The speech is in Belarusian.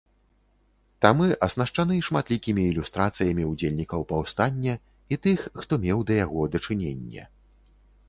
Тамы аснашчаны шматлікімі ілюстрацыямі ўдзельнікаў паўстання і тых, хто меў да яго дачыненне.